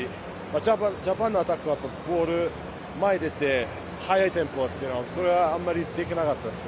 ジャパンのアタック前に出て速いというのがそれはあんまりできなかったです